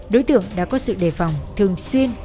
đối tượng đã có sự đề phòng thường xuyên